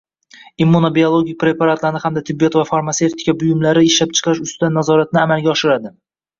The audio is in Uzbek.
Immunobiologik preparatlarni hamda tibbiyot va farmatsevtika buyumlari ishlab chiqarish ustidan nazorat amalga oshiradi.